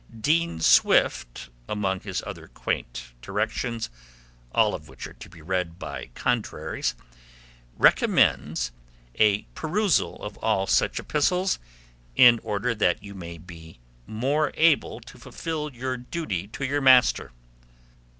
Dean Swift, among his other quaint directions, all of which are to be read by contraries, recommends a perusal of all such epistles, in order that you may be the more able to fulfil your duty to your master.